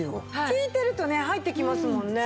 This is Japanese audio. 聞いてるとね入ってきますもんね。